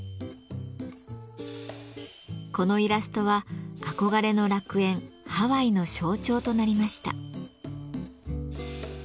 このイラストは憧れの楽園ハワイの象徴となりました。